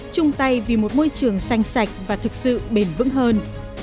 chung tay vì một môi trường xanh sạch và thực sự bền vững hơn